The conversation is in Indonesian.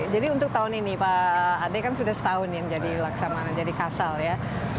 jadi untuk tahun ini pak adek kan sudah setahun yang jadi laksamana jadi kasal ya